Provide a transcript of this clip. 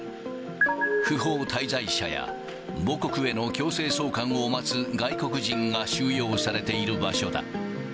不法滞在者や母国への強制送還を待つ外国人が収容されている場所だ。